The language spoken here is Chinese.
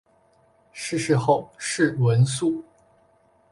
逝世后谥文肃。